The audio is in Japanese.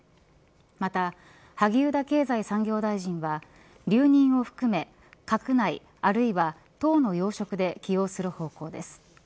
また、萩生田経済産業大臣は留任を含め、閣内あるいは党の要職で起用する方向です。